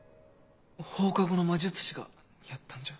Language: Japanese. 放課後の魔術師がやったんじゃ？